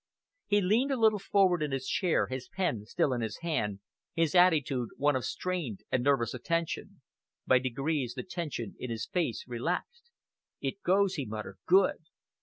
He leaned a little forward in his chair, his pen still in his hand, his attitude one of strained and nervous attention. By degrees the tension in his face relaxed. "It goes!" he muttered. "Good!"